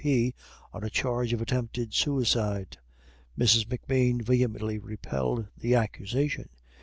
P. on a charge of attempted suicide. Mrs. M'Bean vehemently repelled the accusation.